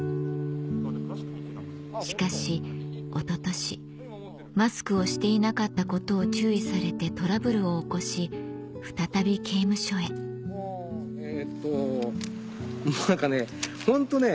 しかし一昨年マスクをしていなかったことを注意されてトラブルを起こし再び刑務所へえっと何かね